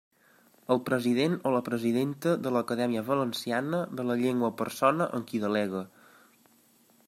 El president o la presidenta de l'Acadèmia Valenciana de la Llengua o persona en qui delegue.